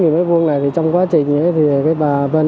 thì bà vân này thì vi phạm về cái việc mà bà ấy